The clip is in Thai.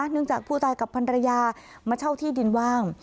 เนื่องจากผู้ตายกับพันธรรยามาเช่าที่ดินว่าง